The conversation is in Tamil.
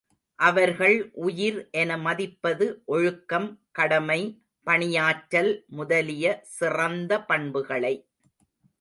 அவர்கள் உயிர் என மதிப்பது ஒழுக்கம், கடமை, பணியாற்றல் முதலிய சிறந்த பண்புகளை.